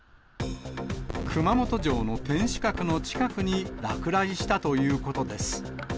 熊本城の天守閣の近くに落雷したということです。